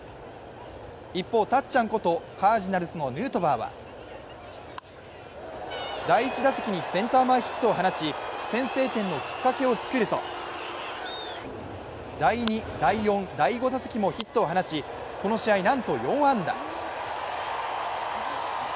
一方、たっちゃんことカージナルスのヌートバーは、第１打席にセンター前ヒットを放ち先制点のきっかけを作ると第２、第４、第５打席もヒットを放ちこの試合なんと４安打。